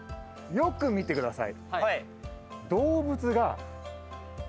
よく見てください。